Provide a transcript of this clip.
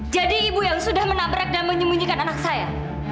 jadi ibu yang sudah menabrak dan menyembunyikan anak saya